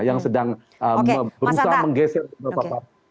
yang sedang berusaha menggeser